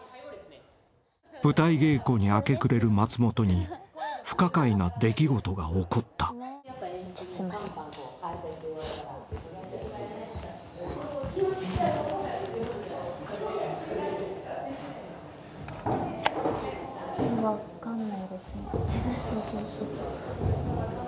［舞台稽古に明け暮れる松本に不可解な出来事が起こった］え？